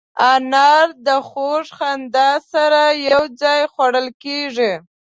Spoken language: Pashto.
انار د خوږ خندا سره یو ځای خوړل کېږي.